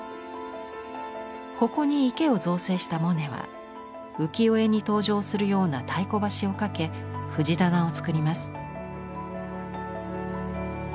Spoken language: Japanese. ここに池を造成したモネは浮世絵に登場するような太鼓橋を架け藤棚を作ります。